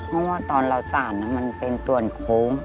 เพราะว่าตอนเราสาดมันเป็นส่วนโค้ง